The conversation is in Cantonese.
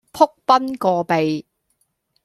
仆崩個鼻